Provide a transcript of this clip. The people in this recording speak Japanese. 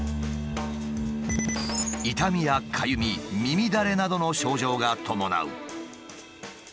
痛みやかゆみ耳だれなどの症状が伴う。